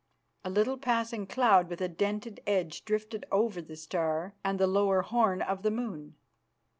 A little passing cloud with a dented edge drifted over the star and the lower horn of the moon.